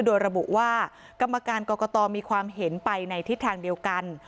โดยระบุว่ากรรมการกรกตมีความเห็นไปในทิศทางเดียวกัน